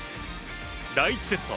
第１セット